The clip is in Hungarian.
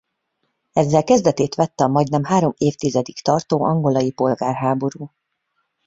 Ezzel kezdetét vette a majdnem három évtizedig tartó angolai polgárháború.